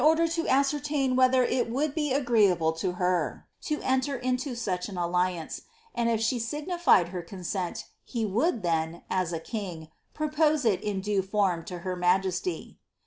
99 in Older to ascertain whether it would be agreeable to her, to enter into rach an alliance, and if she signified her consent, he would then, as a king, propose it in due form to her majesty."